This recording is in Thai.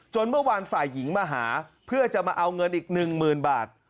เมื่อวานฝ่ายหญิงมาหาเพื่อจะมาเอาเงินอีกหนึ่งหมื่นบาท